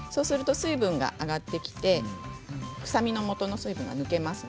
水分が上がってきて臭みのもとの水分が抜けます。